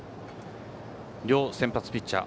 両先発ピッチャー